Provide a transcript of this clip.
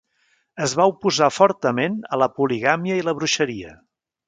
Es va oposar fortament a la poligàmia i la bruixeria.